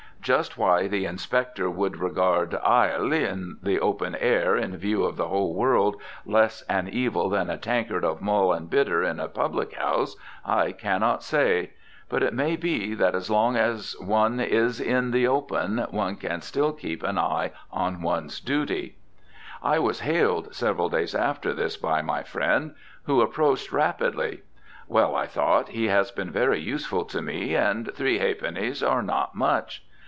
Just why the inspector would regard "ile" in the open air in view of the whole world less an evil than a tankard of mull and bitter in a public house I cannot say. But it may be that as long as one is in the open one can still keep one eye on one's duty. I was hailed several days after this by my friend, who approached rapidly. Well, I thought, he has been very useful to me, and three ha'pennies are not much.